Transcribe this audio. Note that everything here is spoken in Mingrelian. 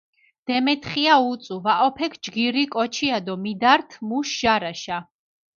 დემეთხია უწუ, ვაჸოფექ ჯგირი კოჩია დო მიდართჷ მუშ შარაშა.